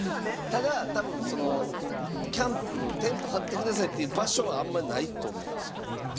ただ多分キャンプのテント張ってくださいっていう場所はあんまりないと思うんですよね。